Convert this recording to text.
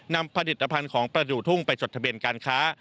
นำผลิตภัณฑ์ของประดูกทุ่งไปจดทะเบียนการค้า